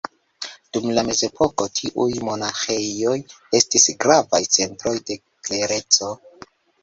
Dum la mezepoko tiuj monaĥejoj estis gravaj centroj de klereco.